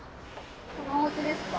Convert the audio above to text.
このおうちですか？